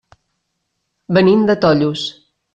Venim de Tollos.